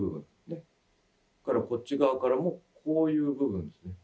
こっち側からもこういう部分ですね。